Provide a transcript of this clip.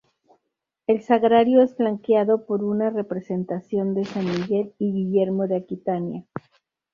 El sagrario es flanqueado por una representación de San Miguel y Guillermo de Aquitania.